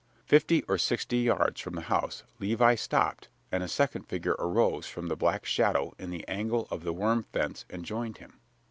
Fifty or sixty yards from the house Levi stopped and a second figure arose from the black shadow in the angle of the worm fence and joined him.